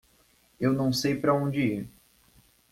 Eu não sei para onde ir.